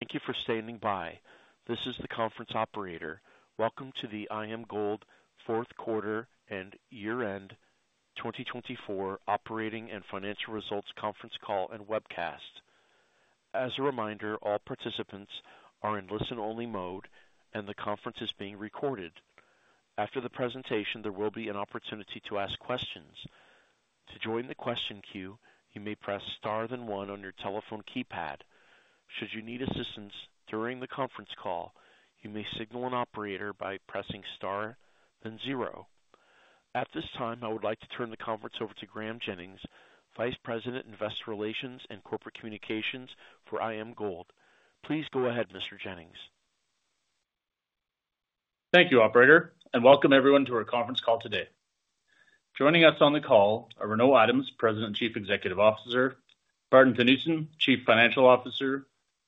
Thank you for standing by. This is the conference operator. Welcome to the IAMGOLD 4th Quarter and Year End 2024 Operating and Financial Results Conference Call and Webcast. As a reminder, all participants are in listen-only mode, and the conference is being recorded. After the presentation, there will be an opportunity to ask questions. To join the question queue, you may press star then one on your telephone keypad. Should you need assistance during the conference call, you may signal an operator by pressing star then zero. At this time, I would like to turn the conference over to Graeme Jennings, Vice President, Investor Relations and Corporate CommuniCations for IAMGOLD. Please go ahead, Mr. Jennings. Thank you, Operator, and welcome everyone to our conference call today. Joining us on the call are Renaud Adams, President and Chief Executive Officer, Maarten Theunissen, Chief Financial Officer,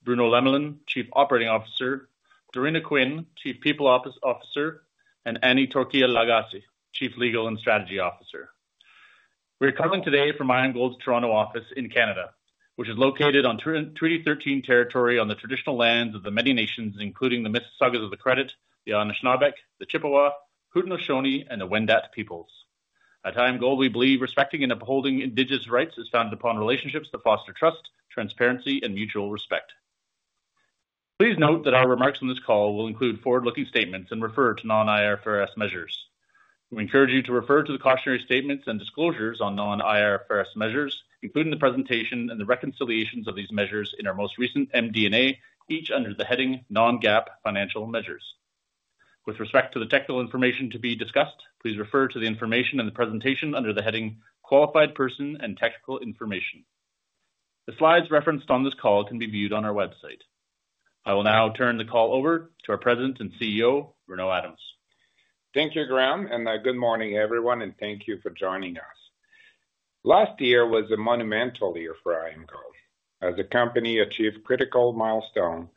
Bruno Lemelin, Chief Operating Officer, Dorena Quinn, Chief People Officer, and Annie Torkia Lagacé, Chief Legal and Strategy Officer. We're coming today from IAMGOLD's Toronto office in Canada, which is loCated on Treaty 13 territory on the traditional lands of the many nations, including the Mississaugas of the Credit, the Anishinaabek, the Chippewa, Haudenosaunee, and the Wendat peoples. At IAMGOLD, we believe respecting and upholding Indigenous rights is founded upon relationships that foster trust, transparency, and mutual respect. Please note that our remarks on this call will include forward-looking statements and refer to non-IFRS measures. We encourage you to refer to the cautionary statements and disclosures on non-IFRS measures, including the presentation and the reconciliations of these measures in our most recent MD&A, each under the heading Non-GAAP Financial Measures. With respect to the technical information to be discussed, please refer to the information in the presentation under the heading Qualified Person and Technical Information. The slides referenced on this call can be viewed on our website. I will now turn the call over to our President and CEO, Renaud Adams. Thank you, Graeme, and good morning, everyone, and thank you for joining us. Last year was a monumental year for IAMGOLD, as the company achieved critical milestones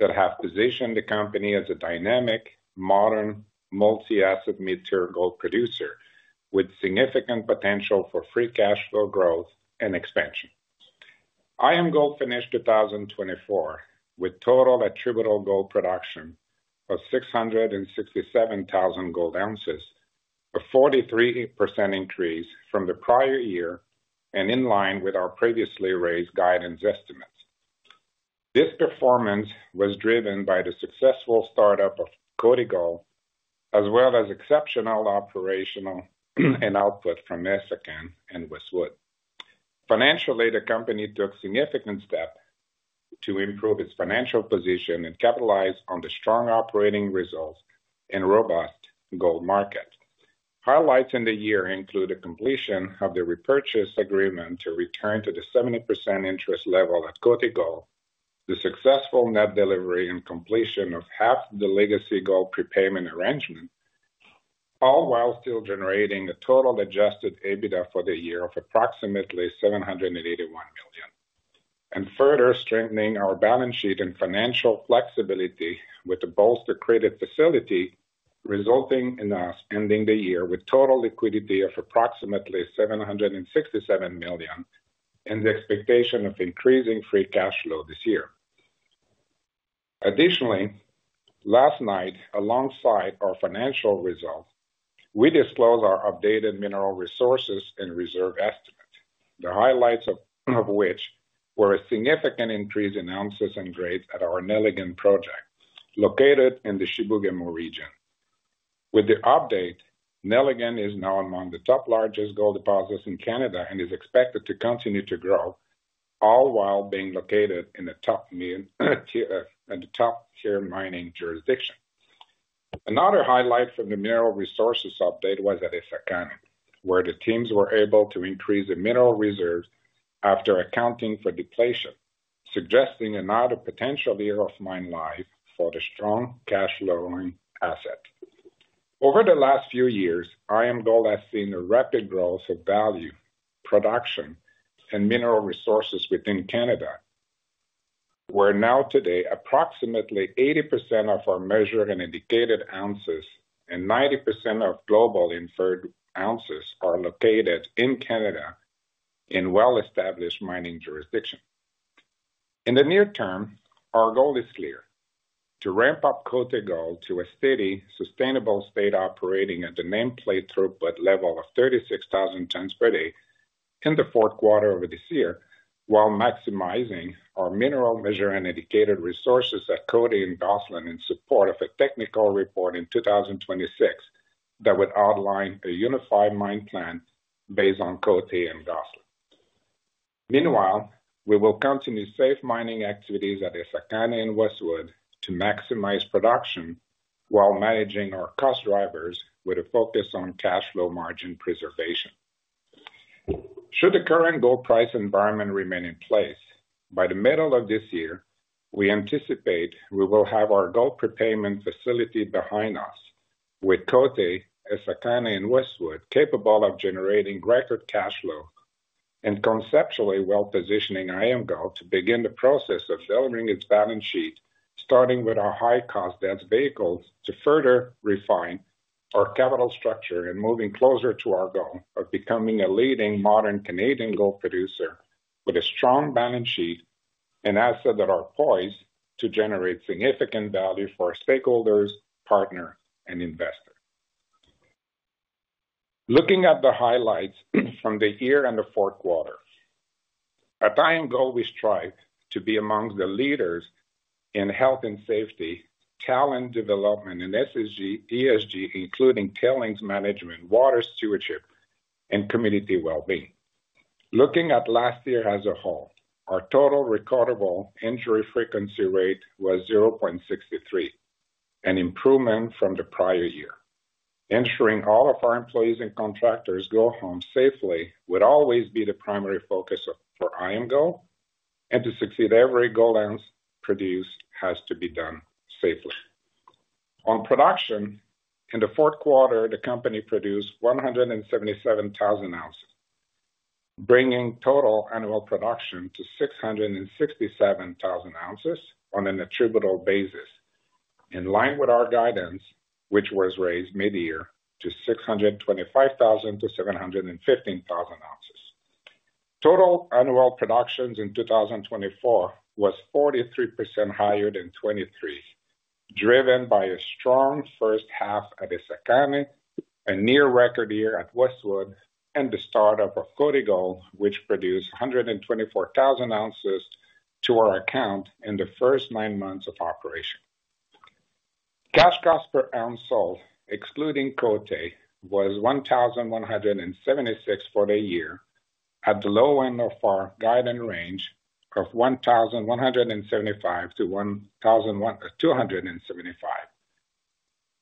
that have positioned the company as a dynamic, modern, multi-asset material gold producer with significant potential for free cash flow growth and expansion. IAMGOLD finished 2024 with total attributable gold production of 667,000 gold ounces, a 43% increase from the prior year and in line with our previously raised guidance estimates. This performance was driven by the successful startup of Côté Gold, as well as exceptional operational output from Essakane and Westwood. Financially, the company took significant steps to improve its financial position and capitalize on the strong operating results and robust gold market. Highlights in the year include the completion of the repurchase agreement to return to the 70% interest level at Côté Gold, the successful net delivery and completion of half the legacy gold prepayment arrangement, all while still generating a total adjusted EBITDA for the year of approximately $781 million, and further strengthening our balance sheet and financial flexibility with the bolster credit facility, resulting in us ending the year with total liquidity of approximately $767 million and the expectation of increasing free cash flow this year. Additionally, last night, alongside our financial results, we disclosed our updated mineral resources and reserve estimates, the highlights of which were a significant increase in ounces and grades at our Nelligan project loCated in the Chibougamau region. With the update, Nelligan is now among the top largest gold deposits in Canada and is expected to continue to grow, all while being loCated in the top-tier mining jurisdiction. Another highlight from the mineral resources update was at Essakane, where the teams were able to increase the mineral reserves after accounting for depletion, suggesting another potential year of mine life for the strong cash-flowing asset. Over the last few years, IAMGOLD has seen a rapid growth of value, production, and mineral resources within Canada, where now today approximately 80% of our measured and indiCated ounces and 90% of global inferred ounces are loCated in Canada in well-established mining jurisdictions. In the near term, our goal is clear: to ramp up Côté Gold to a steady, sustainable state operating at the nameplate throughput level of 36,000 tonnes per day in the Q4 of this year, while maximizing our measured and indiCated resources at Côté and Gosselin in support of a technical report in 2026 that would outline a unified mine plan based on Côté and Gosselin. Meanwhile, we will continue safe mining activities at Essakane and Westwood to maximize production while managing our cost drivers with a focus on cash flow margin preservation. Should the current gold price environment remain in place, by the middle of this year, we anticipate we will have our gold prepayment facility behind us, with Côté, Essakane, and Westwood capable of generating record cash flow and conceptually well-positioning IAMGOLD to begin the process of delivering its balance sheet, starting with our high-cost dense vehicles to further refine our capital structure and moving closer to our goal of becoming a leading modern Canadian gold producer with a strong balance sheet and assets that are poised to generate significant value for our stakeholders, partners, and investors. Looking at the highlights from the year and the Q4, at IAMGOLD, we strive to be among the leaders in health and safety, talent development, and ESG, including tailings management, water stewardship, and community well-being. Looking at last year as a whole, our total recordable injury frequency rate was 0.63, an improvement from the prior year. Ensuring all of our employees and contractors go home safely would always be the primary focus for IAMGOLD, and to succeed, every gold ounce produced has to be done safely. On production, in the Q4, the company produced 177,000 ounces, bringing total annual production to 667,000 ounces on an attributable basis, in line with our guidance, which was raised mid-year to 625,000 to 715,000oz. Total annual productions in 2024 was 43% higher than 2023, driven by a strong first half at Essakane, a near-record year at Westwood, and the startup of Côté Gold, which produced 124,000oz to our account in the first nine months of operation. Cash cost per ounce sold, excluding Côté, was $1,176 for the year, at the low end of our guidance range of $1,175 to 1,275,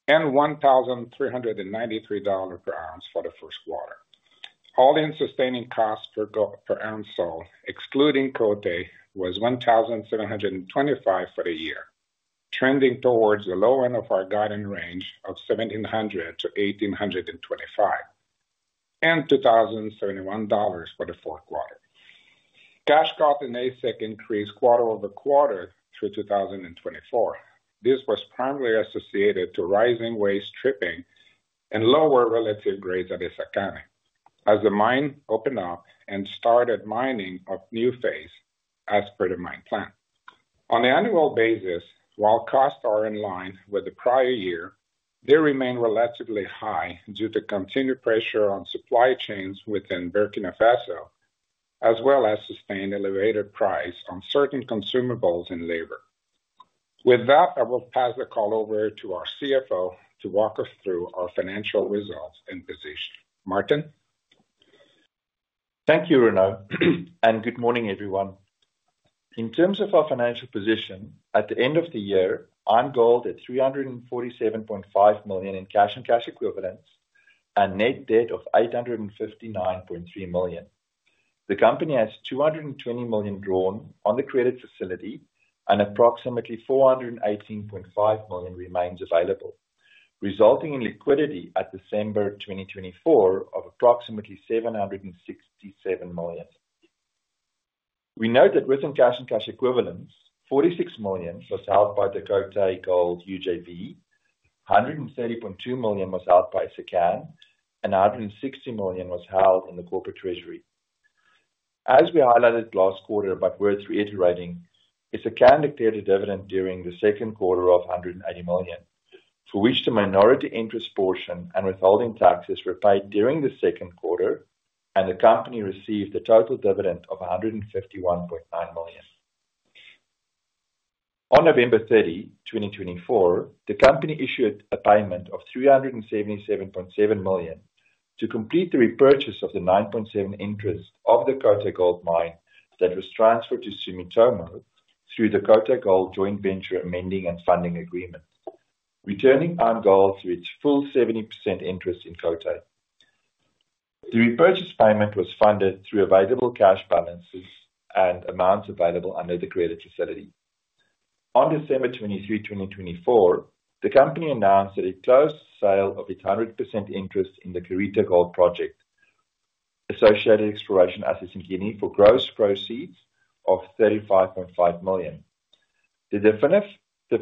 and $1,393 per ounce for the Q1. All-in sustaining cost per ounce sold, excluding Côté, was $1,725 for the year, trending towards the low end of our guidance range of $1,700 to $1,825, and $2,071 for the Q4. Cash cost and AISC increased quarter over quarter through 2024. This was primarily associated with rising waste stripping and lower relative grades at Essakane, as the mine opened up and started mining of new phase as per the mine plan. On an annual basis, while costs are in line with the prior year, they remain relatively high due to continued pressure on supply chains within Burkina Faso, as well as sustained elevated prices on certain consumables and labor. With that, I will pass the call over to our CFO to walk us through our financial results and position. Maarten? Thank you, Renaud, and good morning, everyone. In terms of our financial position, at the end of the year, IAMGOLD had $347.5 million in cash and cash equivalents and net debt of $859.3 million. The company has $220 million drawn on the credit facility and approximately $418.5 million remains available, resulting in liquidity at December 2024 of approximately $767 million. We note that within cash and cash equivalents, $46 million was held by the Côté Gold UJV, $130.2 million was held by Essakane, and $160 million was held in the corporate treasury. As we highlighted last quarter, but worth reiterating, Essakane declared a dividend during the Q2 of $180 million, for which the minority interest portion and withholding taxes were paid during the Q2, and the company received a total dividend of $151.9 million. On 30 November 2024, the company issued a payment of $377.7 million to complete the repurchase of the 9.7% interest in the Côté Gold mine that was transferred to Sumitomo through the Côté Gold Joint Venture amending and funding agreement, returning IAMGOLD to its full 70% interest in Côté. The repurchase payment was funded through available cash balances and amounts available under the credit facility. On 23 December 2024, the company announced that it closed the sale of its 100% interest in the Karita Gold Project associated exploration assets in Guinea for gross proceeds of $35.5 million. The definitive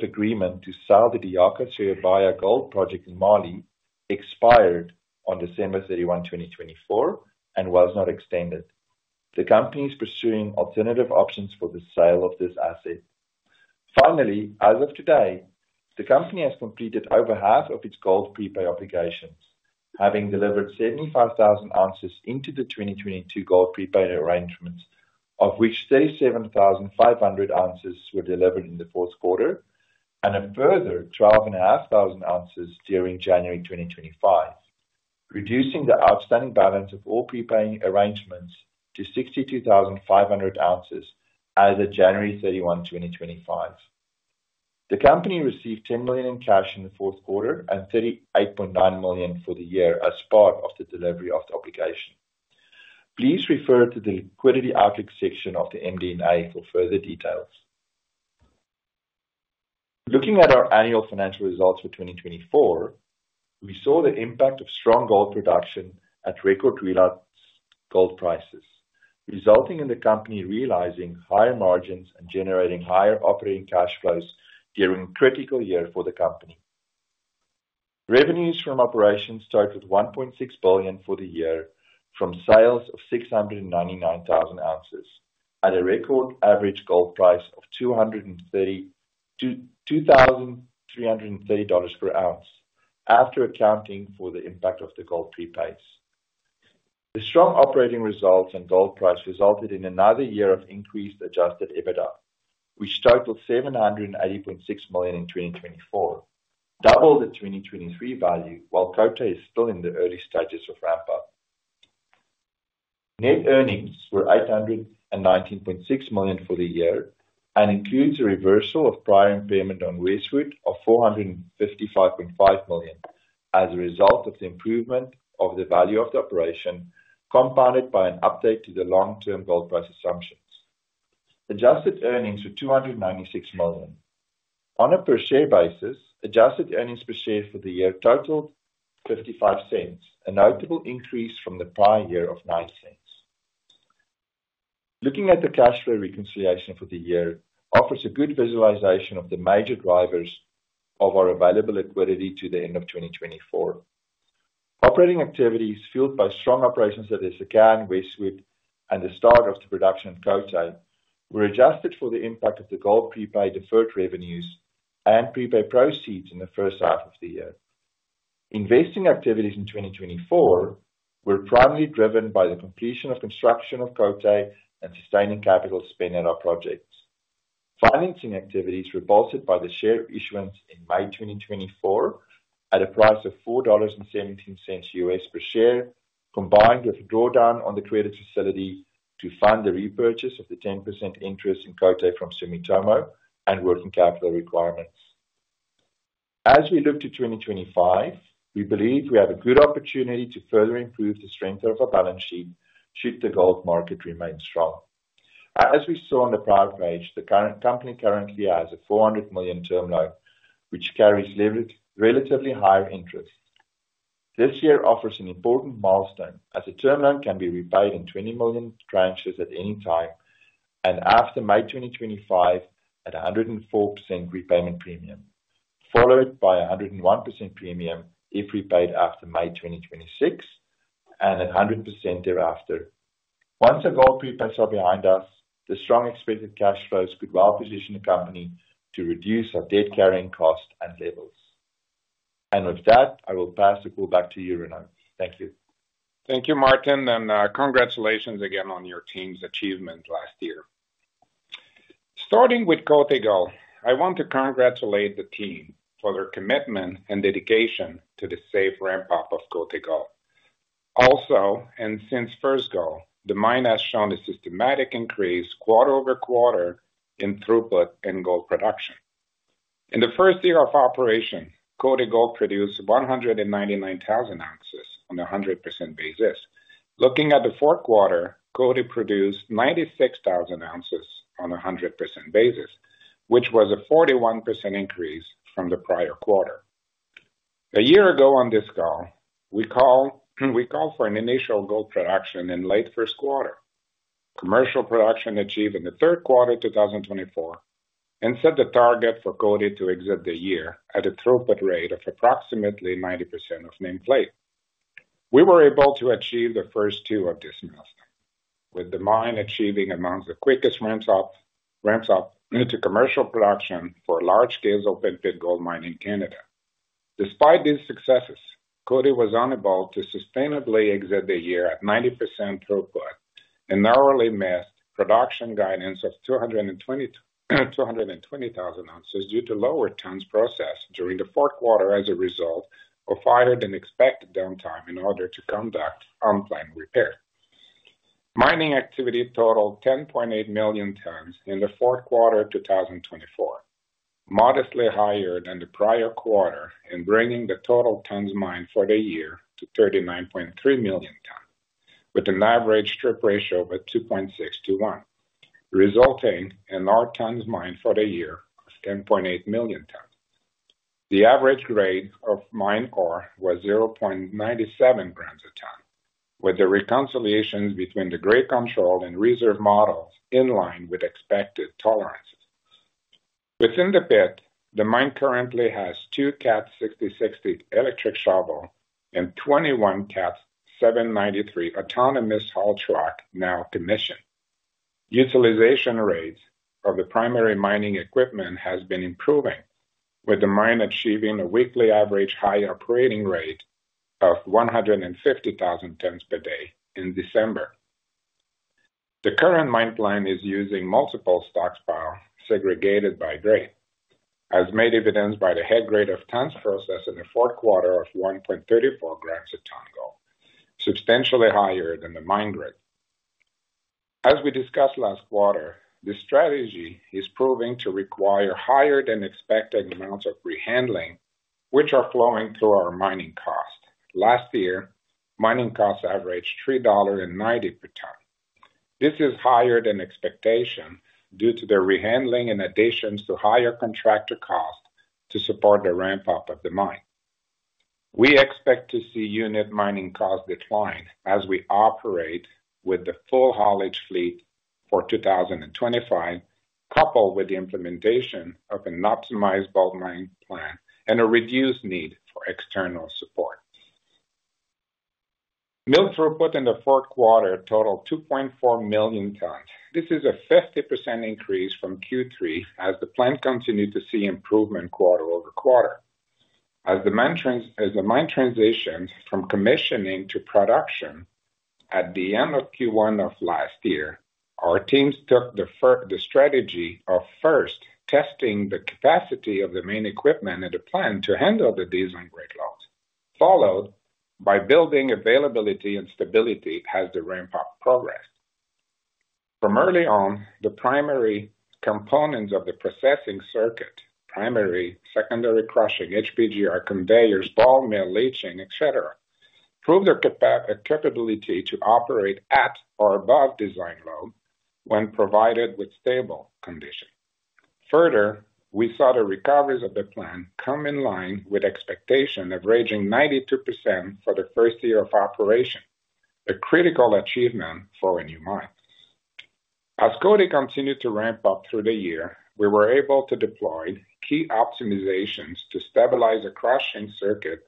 agreement to sell the Diakha-Siribaya Gold Project in Mali expired on December 31, 2024, and was not extended. The company is pursuing alternative options for the sale of this asset. Finally, as of today, the company has completed over half of its gold prepay obligations, having delivered 75,000oz into the 2022 gold prepay arrangements, of which 37,500oz were delivered in the Q4 and a further 12,500oz during January 2025, reducing the outstanding balance of all prepay arrangements to 62,500oz as of 31 January 2025. The company received $10 million in cash in the Q4 and $38.9 million for the year as part of the delivery of the obligation. Please refer to the liquidity outlook section of the MD&A for further details. Looking at our annual financial results for 2024, we saw the impact of strong gold production at record high gold prices, resulting in the company realizing higher margins and generating higher operating cash flows during a critical year for the company. Revenues from operations stood at $1.6 billion for the year from sales of 699,000oz at a record average gold price of $2,330 per ounce, after accounting for the impact of the gold prepays. The strong operating results and gold price resulted in another year of increased adjusted EBITDA, which stood at $780.6 million in 2024, double the 2023 value, while Côté Gold is still in the early stages of ramp-up. Net earnings were $819.6 million for the year and include the reversal of prior impairment on Westwood of $455.5 million as a result of the improvement of the value of the operation, compounded by an update to the long-term gold price assumptions. Adjusted earnings were $296 million. On a per-share basis, adjusted earnings per share for the year totaled $0.55, a notable increase from the prior year of $0.09. Looking at the cash flow reconciliation for the year offers a good visualization of the major drivers of our available liquidity to the end of 2024. Operating activities fueled by strong operations at Essakane, Westwood, and the start of the production at Côté Gold were adjusted for the impact of the gold prepay deferred revenues and prepay proceeds in the first half of the year. Investing activities in 2024 were primarily driven by the completion of construction of Côté Gold and sustaining capital spent at our projects. Financing activities were bolstered by the share issuance in May 2024 at a price of $4.17 per share, combined with a drawdown on the credit facility to fund the repurchase of the 10% interest in Côté Gold from Sumitomo and working capital requirements. As we look to 2025, we believe we have a good opportunity to further improve the strength of our balance sheet should the gold market remain strong. As we saw on the prior page, the company currently has a $400 million term loan, which carries relatively higher interest. This year offers an important milestone as the term loan can be repaid in $20 million tranches at any time and after May 2025 at a 104% repayment premium, followed by a 101% premium if repaid after May 2026 and at 100% thereafter. Once our gold prepays are behind us, the strong expected cash flows could well position the company to reduce our debt carrying cost and levels. And with that, I will pass the call back to you, Renaud. Thank you. Thank you, Maarten, and congratulations again on your team's achievement last year. Starting with Côté Gold, I want to congratulate the team for their commitment and dediCation to the safe ramp-up of Côté Gold. Also, and since first gold, the mine has shown a systematic increase quarter-over-quarter in throughput and gold production. In the first year of operation, Côté Gold produced 199,000oz on a 100% basis. Looking at the Q4, Côté produced 96,000oz on a 100% basis, which was a 41% increase from the prior quarter. A year ago on this call, we called for an initial gold production in late Q1. Commercial production achieved in the Q3 2024 and set the target for Côté to exit the year at a throughput rate of approximately 90% of nameplate. We were able to achieve the first two of these milestones, with the Côté Gold mine achieving among the quickest ramp-up into commercial production for large-scale open-pit gold mining in Canada. Despite these successes, Côté Gold was unable to sustainably exit the year at 90% throughput and narrowly missed production guidance of 220,000oz due to lower tonnes processed during the Q4 as a result of higher than expected downtime in order to conduct unplanned repairs. Mining activity totaled 10.8 million tonnes in the Q4 2024, modestly higher than the prior quarter in bringing the total tonnes mined for the year to 39.3 million tonnes, with an average strip ratio of 2.6 to 1, resulting in ore tonnes mined for the year of 10.8 million tonnes. The average grade of mine ore was 0.97 grams a ton, with the reconciliations between the grade control and reserve models in line with expected tolerances. Within the pit, the mine currently has two Cat 6060 electric shovels and 21 Cat 793 autonomous haul trucks now commissioned. Utilization rates of the primary mining equipment have been improving, with the mine achieving a weekly average high operating rate of 150,000 tonnes per day in December. The current mine plan is using multiple stockpiles segregated by grade, as made evident by the head grade of tonnes processed in the Q4 of 1.34 grams a ton gold, substantially higher than the mine grade. As we discussed last quarter, the strategy is proving to require higher than expected amounts of rehandling, which are flowing through our mining cost. Last year, mining costs averaged $3.90 per ton. This is higher than expectation due to the rehandling in addition to higher contractor costs to support the ramp-up of the mine. We expect to see unit mining costs decline as we operate with the full haulage fleet for 2025, coupled with the implementation of an optimized gold mining plan and a reduced need for external support. Milled throughput in the Q4 totaled 2.4 million tonnes. This is a 50% increase from Q3 as the plant continued to see improvement quarter over quarter. As the mine transitioned from commissioning to production at the end of Q1 of last year, our teams took the strategy of first testing the capacity of the main equipment and the plant to handle the mill and ore loads, followed by building availability and stability as the ramp-up progressed. From early on, the primary components of the processing circuit, primary, secondary crushing, HPGR conveyors, ball mill, leaching, etc., proved their capability to operate at or above design load when provided with stable conditions. Further, we saw the recoveries of the plant come in line with expectation of ranging 92% for the first year of operation, a critical achievement for a new mine. As Côté continued to ramp up through the year, we were able to deploy key optimizations to stabilize a crushing circuit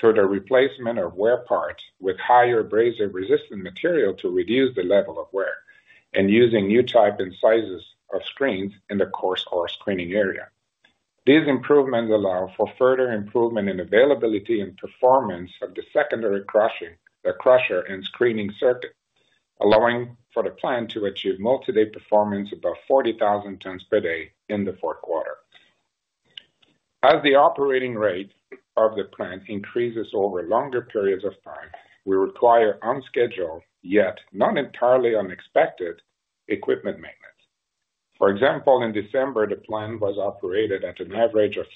through the replacement of wear parts with higher abrasion resistant material to reduce the level of wear and using new type and sizes of screens in the coarse ore screening area. These improvements allow for further improvement in availability and performance of the secondary crushing and screening circuit, allowing for the plant to achieve multi-day performance above 40,000 tonnes per day in the Q4. As the operating rate of the plant increases over longer periods of time, we require unscheduled, yet not entirely unexpected equipment maintenance. For example, in December, the plant was operated at an average of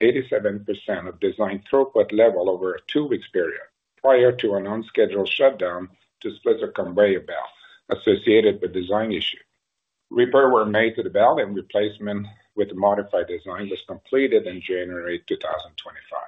87% of design throughput level over a two-week period prior to an unscheduled shutdown to split a conveyor belt associated with design issues. Repairs were made to the belt and replacement with a modified design was completed in January 2025.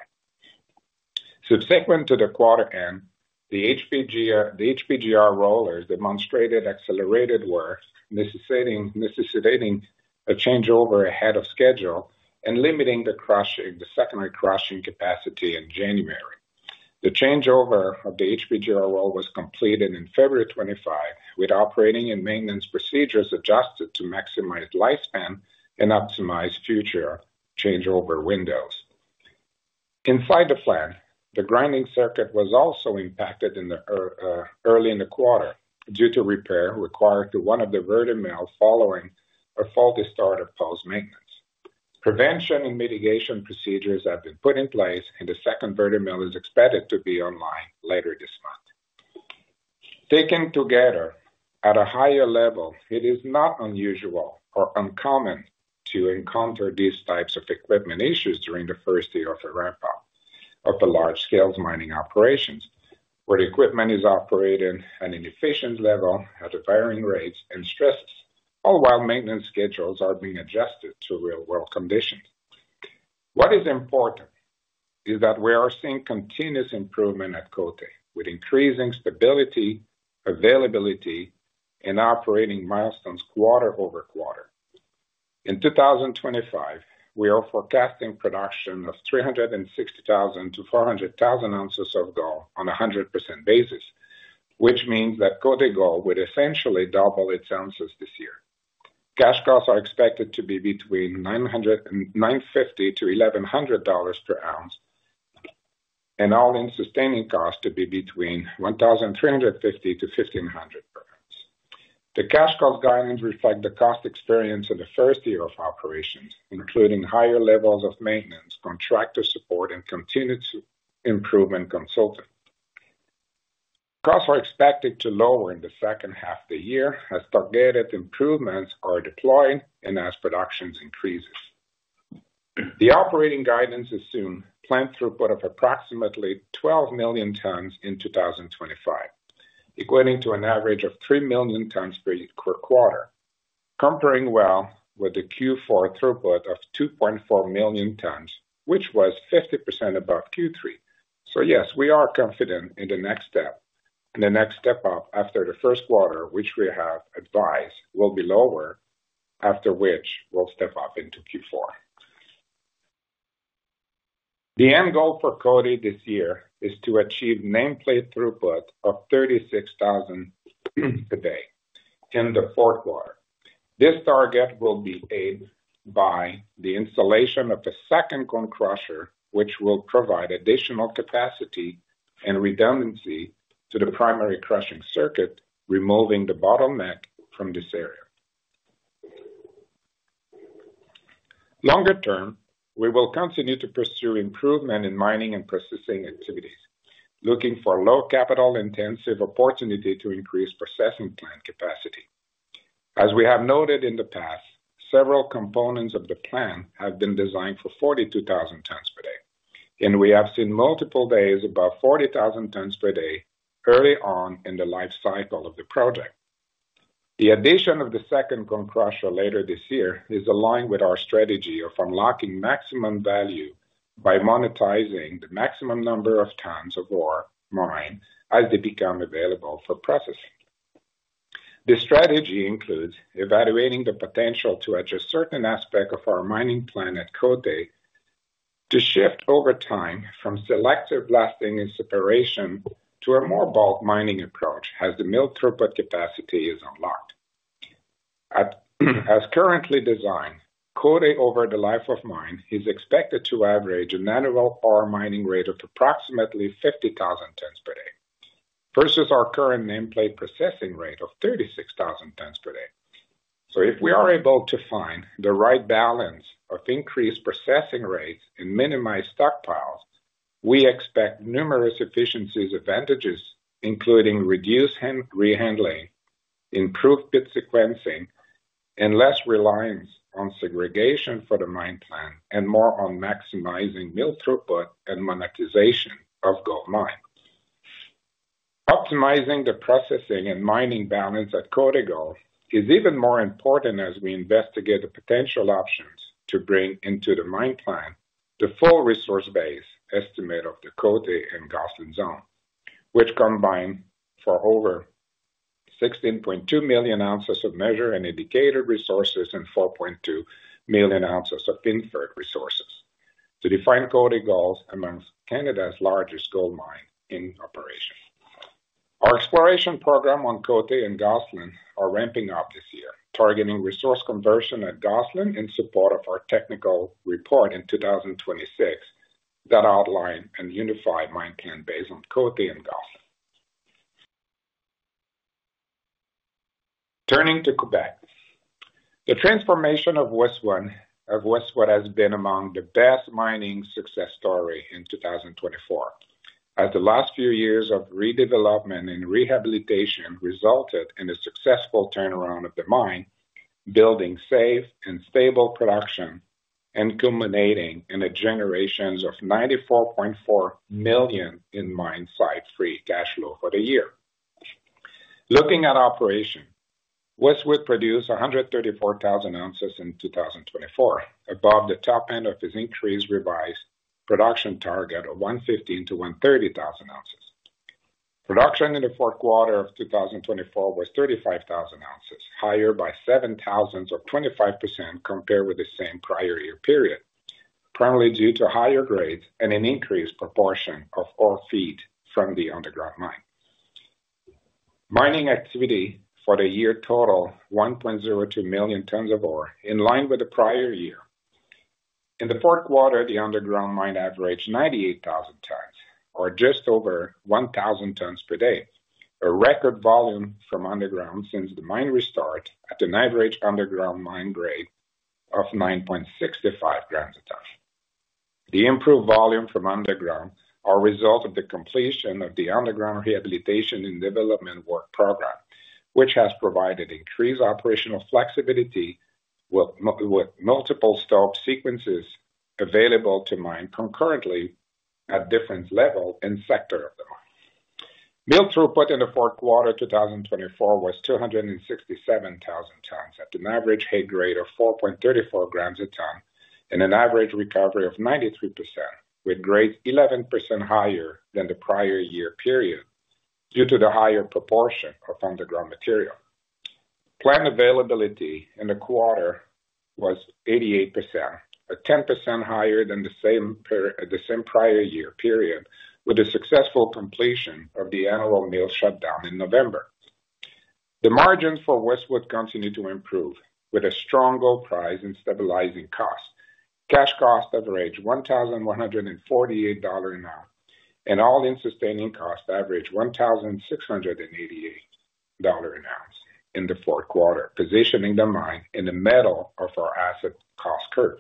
Subsequent to the quarter end, the HPGR rollers demonstrated accelerated work necessitating a changeover ahead of schedule and limiting the secondary crushing capacity in January. The changeover of the HPGR roll was completed in February 2025, with operating and maintenance procedures adjusted to maximize lifespan and optimize future changeover windows. Inside the plant, the grinding circuit was also impacted early in the quarter due to repair required to one of the Vertimills following a faulty start of post-maintenance. Prevention and mitigation procedures have been put in place, and the second Vertimill is expected to be online later this month. Taken together at a higher level, it is not unusual or uncommon to encounter these types of equipment issues during the first year of a ramp-up of the large-scale mining operations, where the equipment is operated at an efficient level at varying rates and stresses, all while maintenance schedules are being adjusted to real-world conditions. What is important is that we are seeing continuous improvement at Côté Gold, with increasing stability, availability, and operating milestones quarter over quarter. In 2025, we are forecasting production of 360,000 to 400,000oz of gold on a 100% basis, which means that Côté Gold would essentially double its ounces this year. Cash costs are expected to be between $950 to 1,100 per ounce, and all-in sustaining costs to be between $1,350 to 1,500 per ounce. The cash cost guidance reflects the cost experience of the first year of operations, including higher levels of maintenance, contractor support, and continued improvement consulting. Costs are expected to lower in the second half of the year as targeted improvements are deployed and as production increases. The operating guidance assumes plant throughput of approximately 12 million tonnes in 2025, equating to an average of 3 million tonnes per quarter, comparing well with the Q4 throughput of 2.4 million tonnes, which was 50% above Q3. So yes, we are confident in the next step, and the next step up after the Q1, which we have advised, will be lower, after which we'll step up into Q4. The end goal for Côté Gold this year is to achieve nameplate throughput of 36,000 per day in the Q4. This target will be aided by the installation of a second cone crusher, which will provide additional capacity and redundancy to the primary crushing circuit, removing the bottleneck from this area. Longer term, we will continue to pursue improvement in mining and processing activities, looking for low-capital-intensive opportunities to increase processing plant capacity. As we have noted in the past, several components of the plan have been designed for 42,000 tonnes per day, and we have seen multiple days above 40,000 tonnes per day early on in the life cycle of the project. The addition of the second cone crusher later this year is aligned with our strategy of unlocking maximum value by monetizing the maximum number of tonnes of ore mined as they become available for processing. This strategy includes evaluating the potential to address certain aspects of our mining plan at Côté Gold to shift over time from selective blasting and separation to a more bulk mining approach as the milled throughput capacity is unlocked. As currently designed, Côté Gold over the life of mine is expected to average an annual ore mining rate of approximately 50,000 tonnes per day versus our current nameplate processing rate of 36,000 tonnes per day. So if we are able to find the right balance of increased processing rates and minimized stockpiles, we expect numerous efficiency advantages, including reduced rehandling, improved pit sequencing, and less reliance on segregation for the mine plan and more on maximizing milled throughput and monetization of gold mine. Optimizing the processing and mining balance at Côté Gold is even more important as we investigate the potential options to bring into the mine plan the full resource base estimate of the Côté and Gosselin zone, which combine for over 16.2 million ounces of measured and indiCated resources and 4.2 million ounces of inferred resources to define Côté Gold as among Canada's largest gold mines in operation. Our exploration program on Côté and Gosselin is ramping up this year, targeting resource conversion at Gosselin in support of our technical report in 2026 that outlines and unifies the mine plan based on Côté and Gosselin. Turning to Quebec, the transformation of Westwood has been among the best mining success stories in 2024, as the last few years of redevelopment and rehabilitation resulted in a successful turnaround of the mine, building safe and stable production and culminating in generations of $94.4 million in mine site free cash flow for the year. Looking at operation, Westwood produced 134,000oz in 2024, above the top end of its increased revised production target of 115,000 to 130,000oz. Production in the Q4 of 2024 was 35,000oz, higher by 7,000 or 25% compared with the same prior year period, primarily due to higher grades and an increased proportion of ore feed from the underground mine. Mining activity for the year totaled 1.02 million tonnes of ore, in line with the prior year. In the Q4, the underground mine averaged 98,000 tonnes, or just over 1,000 tonnes per day, a record volume from underground since the mine restart at an average underground mine grade of 9.65 grams a ton. The improved volume from underground is a result of the completion of the underground rehabilitation and development work program, which has provided increased operational flexibility with multiple stope sequences available to mine concurrently at different levels and sectors of the mine. Milled throughput in the Q4 of 2024 was 267,000 tonnes at an average head grade of 4.34 grams a ton and an average recovery of 93%, with grades 11% higher than the prior year period due to the higher proportion of underground material. Plant availability in the quarter was 88%, 10% higher than the same prior year period with the successful completion of the annual mill shutdown in November. The margins for Westwood continue to improve with a strong gold price and stabilizing costs. Cash costs averaged $1,148 an ounce, and All-in Sustaining Costs averaged $1,688 an ounce in the Q4, positioning the mine in the middle of our asset cost curve.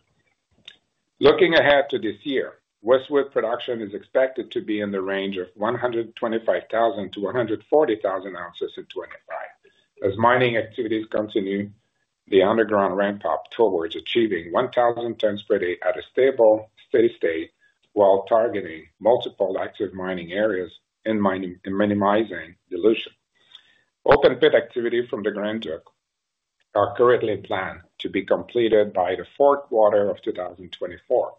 Looking ahead to this year, Westwood production is expected to be in the range of 125,000 to 140,000oz in 2025. As mining activities continue, the underground ramp-up towards achieving 1,000 tonnes per day at a stable steady state while targeting multiple active mining areas and minimizing dilution. Open pit activity from the Grand Duc is currently planned to be completed by the Q4 of 2024,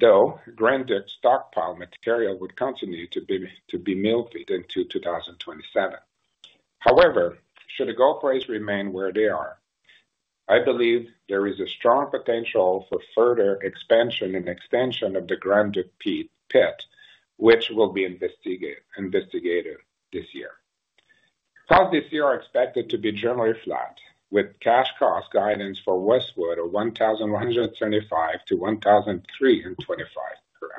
though Grand Duc's stockpile material would continue to be milled feed into 2027. However, should the gold price remain where they are, I believe there is a strong potential for further expansion and extension of the Grand Duc pit, which will be investigated this year. Plans this year are expected to be generally flat, with cash cost guidance for Westwood of $1,175 to 1,325 per ounce,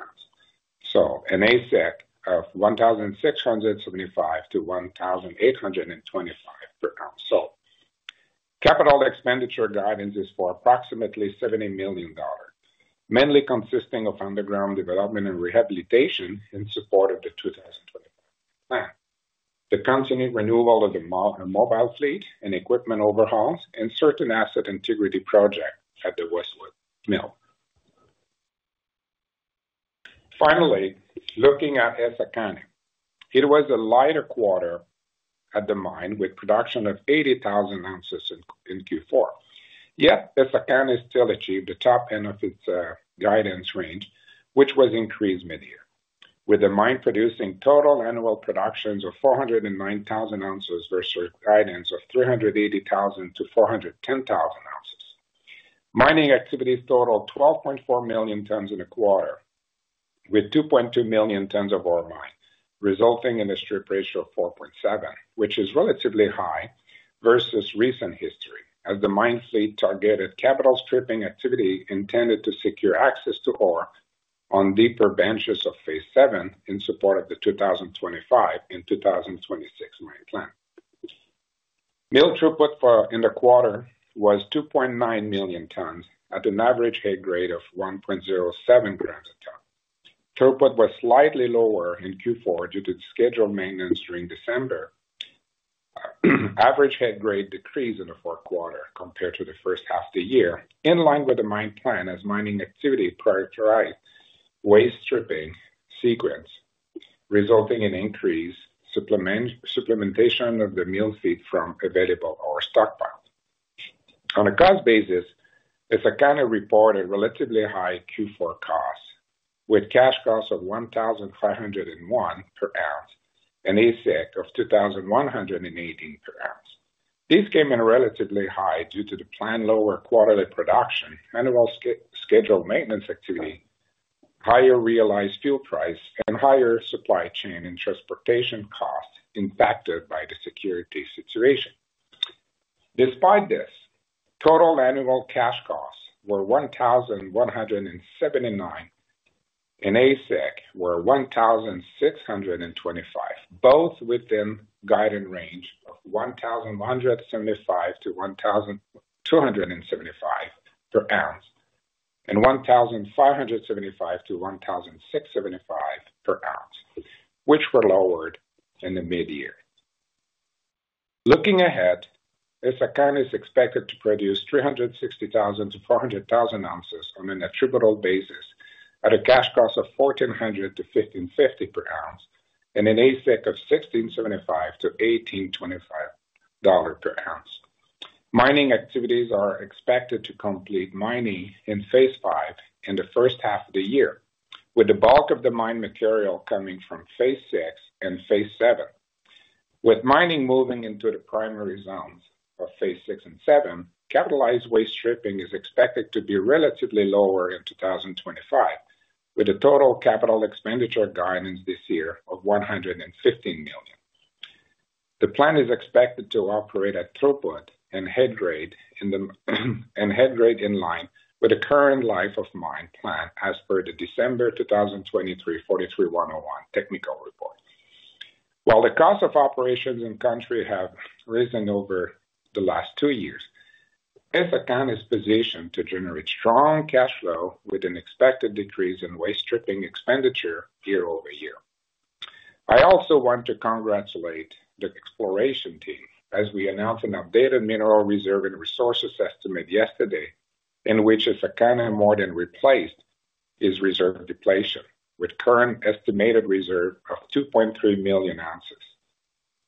so an AISC of $1,675 to 1,825 per ounce. Capital expenditure guidance is for approximately $70 million, mainly consisting of underground development and rehabilitation in support of the 2024 plan, the continued renewal of the mobile fleet and equipment overhauls, and certain asset integrity projects at the Westwood mill. Finally, looking at Essakane, it was a lighter quarter at the mine with production of 80,000oz in Q4. Yet Essakane still achieved the top end of its guidance range, which was increased mid-year, with the mine producing total annual productions of 409,000oz versus guidance of 380,000 to 410,000oz. Mining activity totaled 12.4 million tonnes in a quarter, with 2.2 million tonnes of ore mined, resulting in a strip ratio of 4.7, which is relatively high versus recent history, as the mine fleet targeted capital stripping activity intended to secure access to ore on deeper benches of phase VII in support of the 2025 and 2026 mine plan. Milled throughput in the quarter was 2.9 million tonnes at an average head grade of 1.07 grams a ton. Throughput was slightly lower in Q4 due to the scheduled maintenance during December. Average head grade decreased in the Q4 compared to the first half of the year, in line with the mine plan as mining activity prioritized waste stripping sequence, resulting in increased supplementation of the mill feed from available ore stockpiles. On a cost basis, Essakane reported relatively high Q4 costs, with cash costs of $1,501 per ounce and AISC of $2,118 per ounce. These came in relatively high due to the planned lower quarterly production, annual scheduled maintenance activity, higher realized fuel price, and higher supply chain and transportation costs impacted by the security situation. Despite this, total annual cash costs were $1,179 and AISC were $1,625, both within guidance range of $1,175 to $1,275 per ounce and $1,575 to $1,675 per ounce, which were lowered in the mid-year. Looking ahead, Essakane is expected to produce 360,000 to 400,000oz on an attributable basis at a cash cost of $1,400 to $1,550 per ounce and an AISC of $1,675 to $1,825 per ounce. Mining activities are expected to complete mining in phase V in the first half of the year, with the bulk of the mine material coming from phase VI and phase VII. With mining moving into the primary zones of phase VI and phase VII, capitalized waste stripping is expected to be relatively lower in 2025, with a total capital expenditure guidance this year of $115 million. The plant is expected to operate at throughput and head grade in line with the current life of mine plan as per the December 2023 43-101 technical report. While the cost of operations in country have risen over the last two years, Essakane is positioned to generate strong cash flow with an expected decrease in waste stripping expenditure year over year. I also want to congratulate the exploration team as we announced an updated mineral reserve and resources estimate yesterday, in which Essakane more than replaced its reserve depletion, with current estimated reserve of 2.3 million ounces,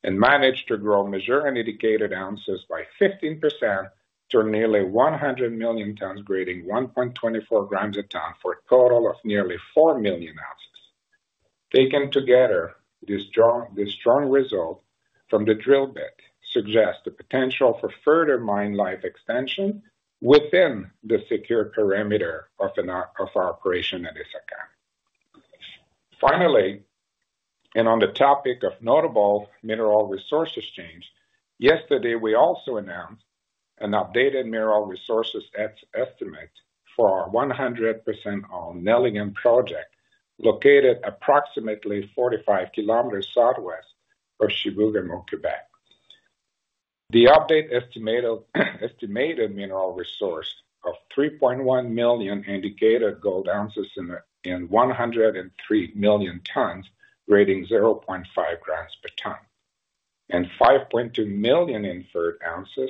and managed to grow measured and indiCated ounces by 15% to nearly 100 million tonnes, grading 1.24 grams a ton for a total of nearly 4 million ounces. Taken together, this strong result from the drill bit suggests the potential for further mine life extension within the secure perimeter of our operation at Essakane. Finally, and on the topic of notable mineral resources change, yesterday we also announced an updated mineral resources estimate for our 100% owned Nelligan project loCated approximately 45 kilometers southwest of Chibougamau, Quebec. The update estimated mineral resource of 3.1 million indiCated gold ounces and 103 million tonnes, grading 0.5 grams per ton, and 5.2 million inferred ounces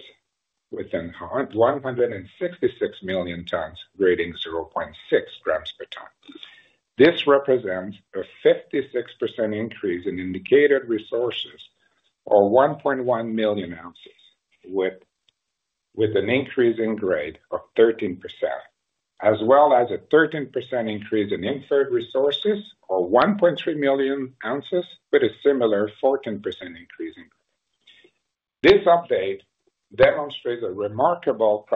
within 166 million tonnes, grading 0.6 grams per ton. This represents a 56% increase in indiCated resources or 1.1 million ounces, with an increase in grade of 13%, as well as a 13% increase in inferred resources or 1.3 million ounces, with a similar 14% increase in grade. This update demonstrates a remarkable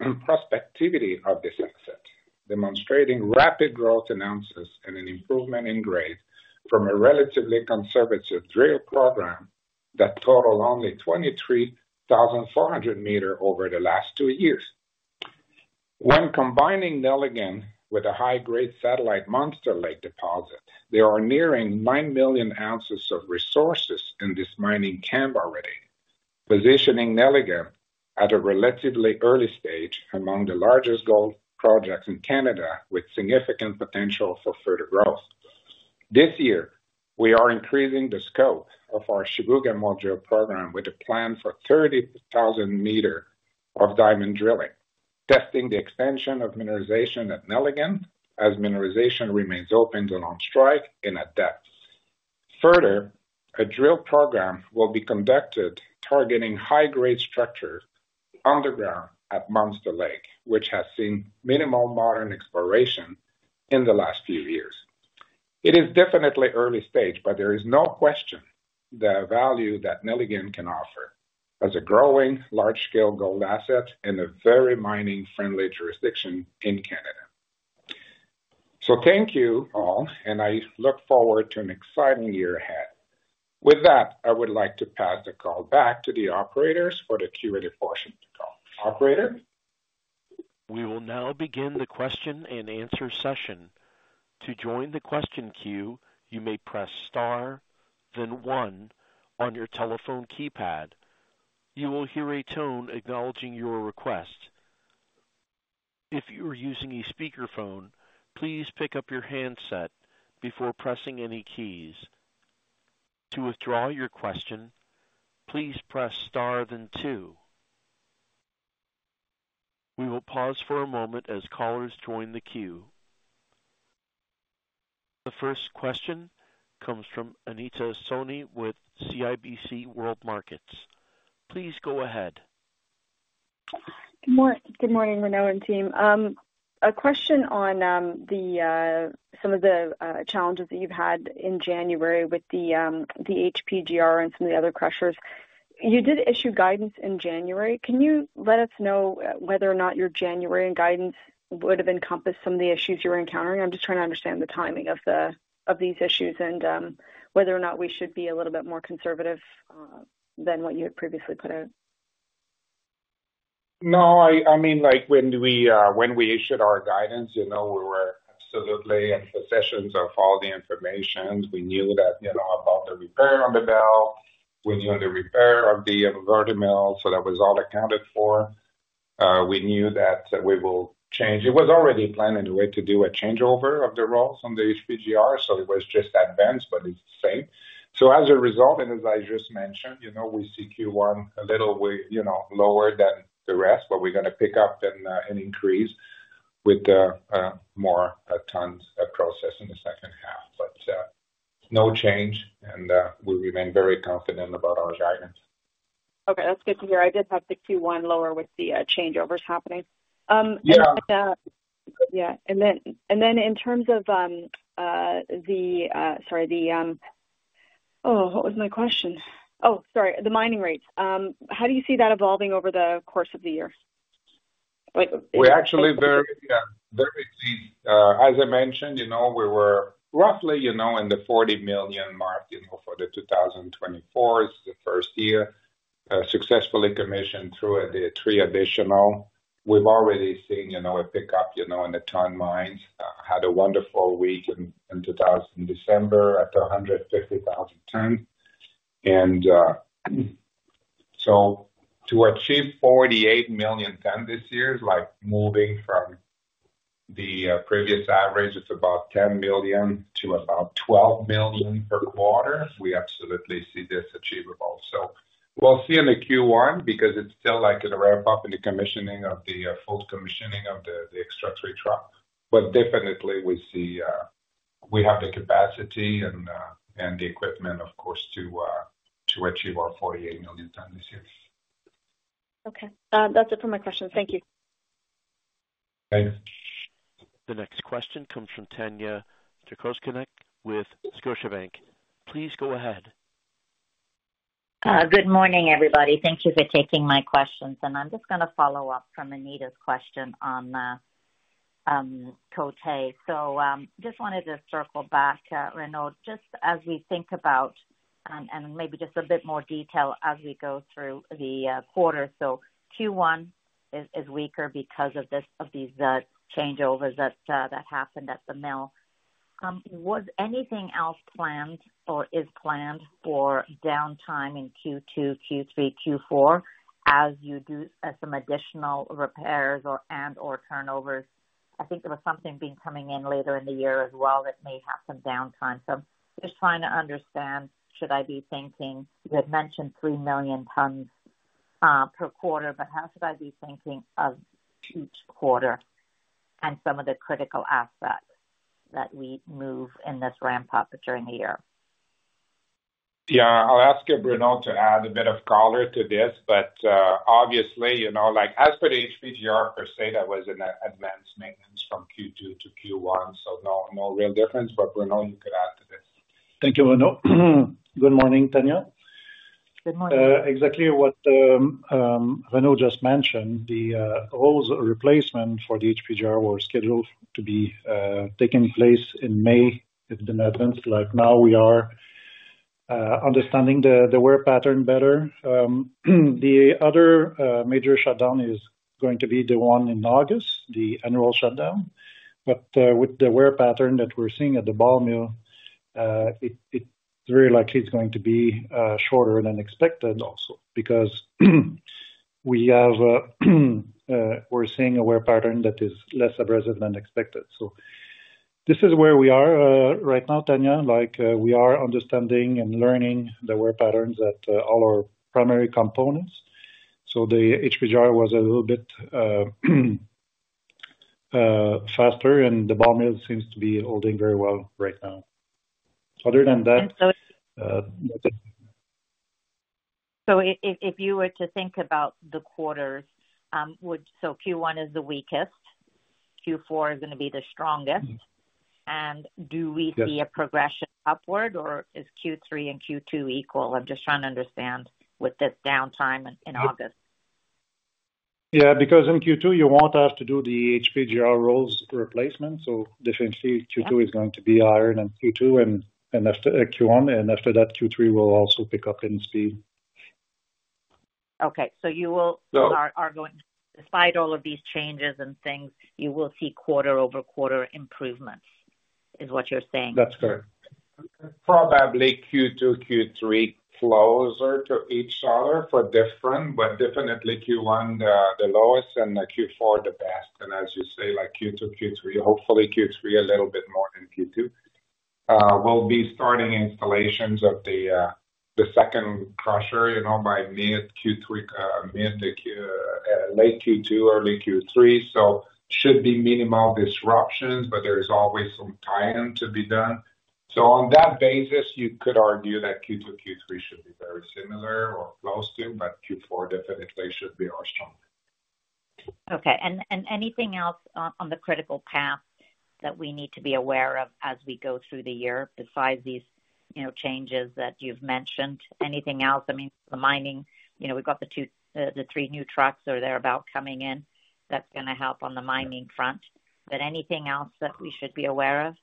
prospectivity of this asset, demonstrating rapid growth in ounces and an improvement in grade from a relatively conservative drill program that totaled only 23,400 meters over the last two years. When combining Nelligan with a high-grade satellite Monster Lake deposit, there are nearing nine million ounces of resources in this mining camp already, positioning Nelligan at a relatively early stage among the largest gold projects in Canada with significant potential for further growth. This year, we are increasing the scope of our Chibougamau drill program with a plan for 30,000 meters of diamond drilling, testing the extension of mineralization at Nelligan as mineralization remains open along strike and at depth. Further, a drill program will be conducted targeting high-grade structure underground at Monster Lake, which has seen minimal modern exploration in the last few years. It is definitely early stage, but there is no question the value that Nelligan can offer as a growing large-scale gold asset in a very mining-friendly jurisdiction in Canada. So thank you all, and I look forward to an exciting year ahead. With that, I would like to pass the call back to the operators for the Q&A portion of the call. Operator. We will now begin the question and answer session. To join the question queue, you may press star, then one on your telephone keypad. You will hear a tone acknowledging your request. If you are using a speakerphone, please pick up your handset before pressing any keys. To withdraw your question, please press star, then two. We will pause for a moment as callers join the queue. The first question comes from Anita Soni with CIBC World Markets. Please go ahead. Good morning, Renaud and team. A question on some of the challenges that you've had in January with the HPGR and some of the other crushers. You did issue guidance in January. Can you let us know whether or not your January guidance would have encompassed some of the issues you were encountering? I'm just trying to understand the timing of these issues and whether or not we should be a little bit more conservative than what you had previously put out. No, I mean, when we issued our guidance, we were absolutely in possession of all the information. We knew about the repair on the mill. We knew the repair of the Vertimill, so that was all accounted for. We knew that the change was already planned in a way to do a changeover of the rolls on the HPGR, so it was just advanced, but it's the same. As a result, and as I just mentioned, we see Q1 a little lower than the rest, but we're going to pick up and increase with more tonnes processed in the second half. But no change, and we remain very confident about our guidance. Okay, that's good to hear. I did have the Q1 lower with the changeovers happening. And then in terms of the, sorry, the, oh, what was my question? Oh, sorry, the mining rates. How do you see that evolving over the course of the year? We're actually very pleased. As I mentioned, we were roughly in the 40 million mark for the 2024, the first year, successfully commissioned through the three additional. We've already seen a pickup in the ton mines. Had a wonderful week in December at 150,000 tonnes. So to achieve 48 million tonnes this year, like moving from the previous average of about 10 million to about 12 million per quarter, we absolutely see this achievable. So we'll see in the Q1 because it's still like a ramp-up in the commissioning of the full commissioning of the extra three trucks. But definitely, we have the capacity and the equipment, of course, to achieve our 48 million tonnes this year. Okay. That's it for my questions. Thank you. The next question comes from Tanya Jakusconek with Scotiabank. Please go ahead. Good morning, everybody. Thank you for taking my questions. And I'm just going to follow up from Anita's question on Côté. So just wanted to circle back, Renaud, just as we think about and maybe just a bit more detail as we go through the quarter. So Q1 is weaker because of these changeovers that happened at the mill. Was anything else planned or is planned for downtime in Q2, Q3, Q4 as you do some additional repairs and/or turnovers? I think there was something coming in later in the year as well that may have some downtime. So just trying to understand, should I be thinking you had mentioned 3 million tonnes per quarter, but how should I be thinking of each quarter and some of the critical aspects that we move in this ramp-up during the year? Yeah, I'll ask Renaud to add a bit of color to this, but obviously, as per the HPGR, per se, that was an advanced maintenance from Q2 to Q1, so no real difference. But Renaud, you could add to this. Thank you, Renaud. Good morning, Tanya. Good morning. Exactly what Renaud just mentioned, the rolls replacement for the HPGR were scheduled to be taking place in May with the maintenance. Like now we are understanding the wear pattern better. The other major shutdown is going to be the one in August, the annual shutdown, but with the wear pattern that we're seeing at the ball mill, it's very likely it's going to be shorter than expected also because we're seeing a wear pattern that is less abrasive than expected. This is where we are right now, Tanya. We are understanding and learning the wear patterns at all our primary components. The HPGR was a little bit faster, and the ball mill seems to be holding very well right now. Other than that. So if you were to think about the quarters, so Q1 is the weakest, Q4 is going to be the strongest, and do we see a progression upward, or is Q3 and Q2 equal? I'm just trying to understand with this downtime in August. Yeah, because in Q2, you won't have to do the HPGR rolls replacement. So definitely, Q2 is going to be higher than Q1, and after that, Q3 will also pick up in speed. Okay. So you will, despite all of these changes and things, you will see quarter-over-quarter improvements is what you're saying. That's correct. Probably Q2, Q3 closer to each other for different, but definitely Q1 the lowest and Q4 the best. And as you say, Q2, Q3, hopefully Q3 a little bit more than Q2. We'll be starting installations of the second crusher by mid-Q3, late Q2, early Q3. So there should be minimal disruptions, but there is always some time to be done. So on that basis, you could argue that Q2, Q3 should be very similar or close to, but Q4 definitely should be our strongest. Okay. And anything else on the critical path that we need to be aware of as we go through the year besides these changes that you've mentioned? Anything else? I mean, the mining, we've got the three new trucks or thereabouts coming in that's going to help on the mining front. But anything else that we should be aware of?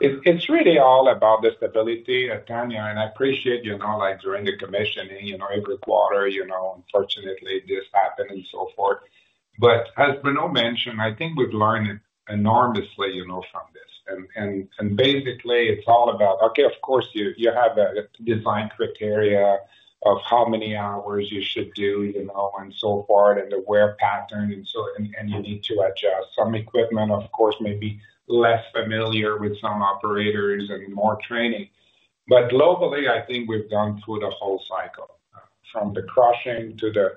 It's really all about the stability, Tanya, and I appreciate during the commissioning, every quarter, unfortunately, this happened and so forth. But as Renaud mentioned, I think we've learned enormously from this. Basically, it's all about, okay, of course, you have a design criteria of how many hours you should do and so forth and the wear pattern, and you need to adjust. Some equipment, of course, may be less familiar with some operators and more training. But globally, I think we've gone through the whole cycle from the crushing to the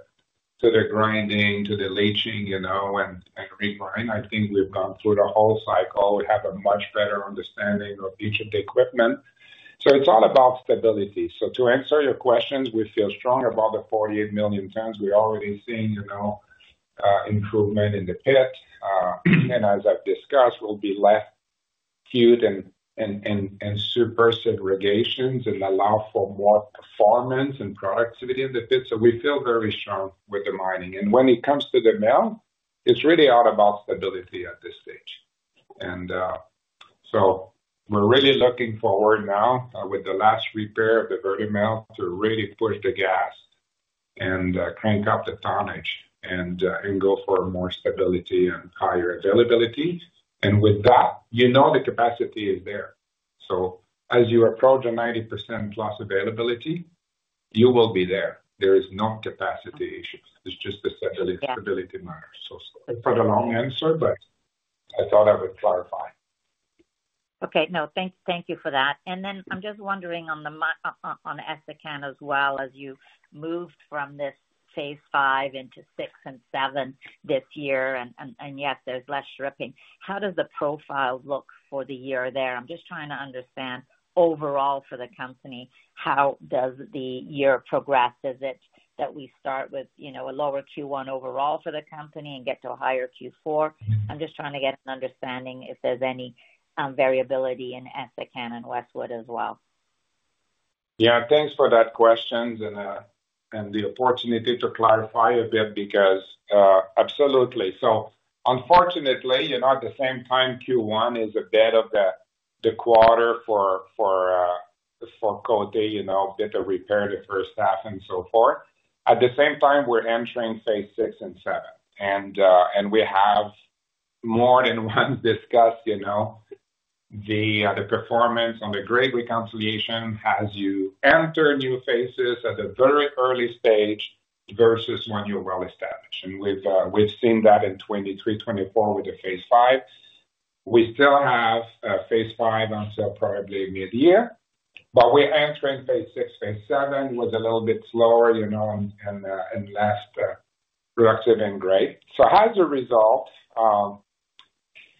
grinding to the leaching and regrind. I think we've gone through the whole cycle. We have a much better understanding of each of the equipment. So it's all about stability. So to answer your questions, we feel strong about the 48 million tonnes. We're already seeing improvement in the pit. And as I've discussed, we'll be less queued and super segregations and allow for more performance and productivity in the pit. So we feel very strong with the mining. And when it comes to the mill, it's really all about stability at this stage. And so we're really looking forward now with the last repair of the Vertimill to really push the gas and crank up the tonnage and go for more stability and higher availability. And with that, you know the capacity is there. So as you approach a 90% plus availability, you will be there. There is no capacity issues. It's just the stability matter. So it's not a long answer, but I thought I would clarify. Okay. No, thank you for that. And then I'm just wondering on Essakane as well, as you moved from this phase V into phase VI and phase VII this year, and yet there's less stripping. How does the profile look for the year there? I'm just trying to understand overall for the company, how does the year progress? Is it that we start with a lower Q1 overall for the company and get to a higher Q4? I'm just trying to get an understanding if there's any variability in Essakane and Westwood as well. Yeah, thanks for that question and the opportunity to clarify a bit because absolutely. So unfortunately, at the same time, Q1 is a bit of the quarter for Côté, a bit of repair the first half and so forth. At the same time, we're entering phase six and seven. And we have more than once discussed the performance on the grade reconciliation as you enter new phases at a very early stage versus when you're well established. And we've seen that in 2023, 2024 with the phase five. We still have phase V until probably mid-year, but we're entering phase VI, phase VII with a little bit slower and less productive in grade. So as a result,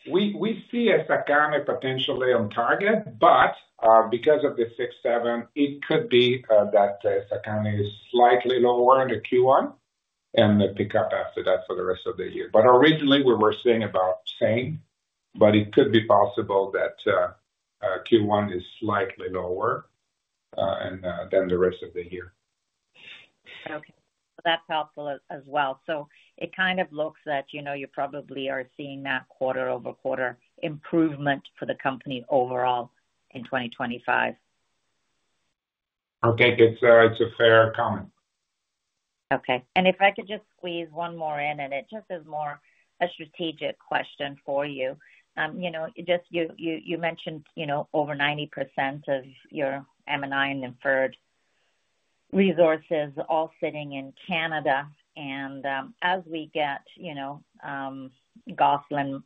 we see Essakane potentially on target, but because of the six-seven, it could be that Essakane is slightly lower in the Q1 and the pickup after that for the rest of the year. But originally, we were seeing about same, but it could be possible that Q1 is slightly lower than the rest of the year. Okay. That's helpful as well. So it kind of looks that you probably are seeing that quarter-over-quarter improvement for the company overall in 2025. Okay. It's a fair comment. Okay. And if I could just squeeze one more in, and it just is more a strategic question for you. Just you mentioned over 90% of your M&I and inferred resources all sitting in Canada. As we get Gosselin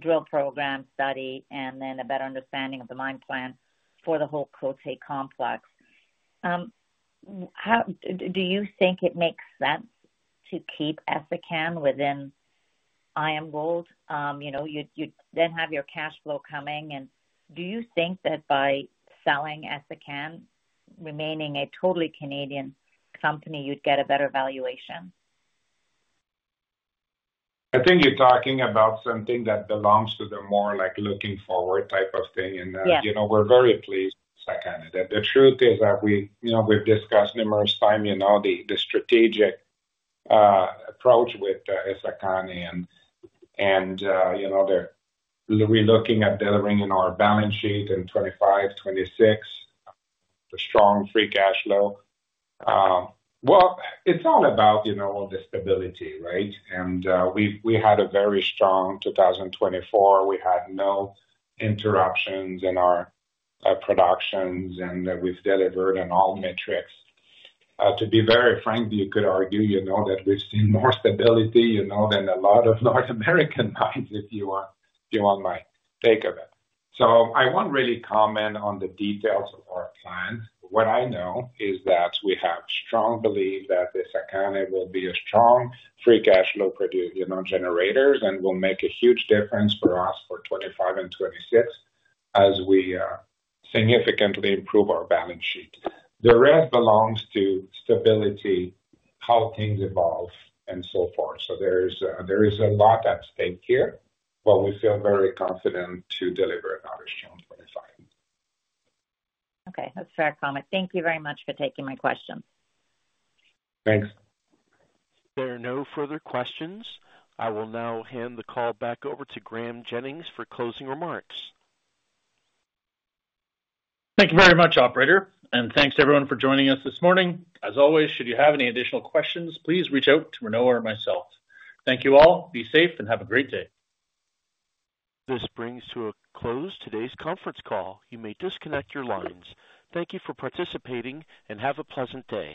drill program study and then a better understanding of the mine plan for the whole Côté Gold complex, do you think it makes sense to keep Essakane within IAMGOLD? You then have your cash flow coming. Do you think that by selling Essakane, remaining a totally Canadian company, you'd get a better valuation? I think you're talking about something that belongs to the more looking forward type of thing. We're very pleased with Essakane. The truth is that we've discussed numerous times the strategic approach with Essakane, and we're looking at delivering in our balance sheet in 2025, 2026, the strong free cash flow. It's all about the stability, right? We had a very strong 2024. We had no interruptions in our productions, and we've delivered on all metrics. To be very frank, you could argue that we've seen more stability than a lot of North American mines, if you want my take of it. So I won't really comment on the details of our plan. What I know is that we have strong belief that Essakane will be a strong free cash flow generators and will make a huge difference for us for 2025 and 2026 as we significantly improve our balance sheet. The rest belongs to stability, how things evolve, and so forth. So there is a lot at stake here, but we feel very confident to deliver another strong 2025. Okay. That's a fair comment. Thank you very much for taking my question. Thanks. There are no further questions. I will now hand the call back over to Graeme Jennings for closing remarks. Thank you very much, operator. Thanks to everyone for joining us this morning. As always, should you have any additional questions, please reach out to Renaud or myself. Thank you all. Be safe and have a great day. This brings to a close today's conference call. You may disconnect your lines. Thank you for participating and have a pleasant day.